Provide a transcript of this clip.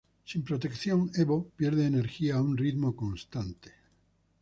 Sin protección, Evo pierde energía a un ritmo constante.